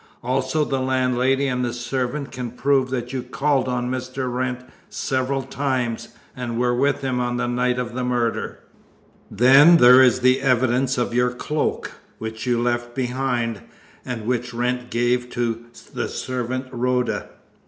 Also the landlady and servant can prove that you called on Mr. Wrent several times, and were with him on the night of the murder. Then there is the evidence of your cloak, which you left behind, and which Wrent gave to the servant Rhoda.